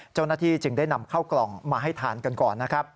เจ้าหน้าที่จึงได้นำเข้ากล่องมาให้ทานกันก่อนนะครับ